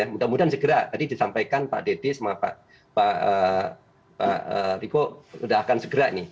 mudah mudahan segera disampaikan pak deddy sama pak riko sudah akan segera